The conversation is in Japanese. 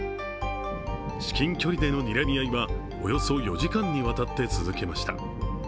至近距離でのにらみ合いはおよそ４時間にわたって続きました。